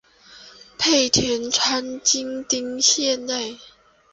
柿田川流经町内。